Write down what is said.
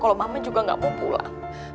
kalau mama juga nggak mau pulang